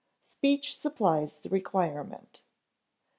Speech supplies the requirement.